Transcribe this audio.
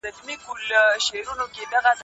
موږ به په راتلونکي کي ډېر بوخت یو.